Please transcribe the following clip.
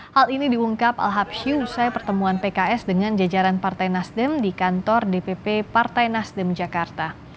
hal ini diungkap al habsyu usai pertemuan pks dengan jajaran partai nasdem di kantor dpp partai nasdem jakarta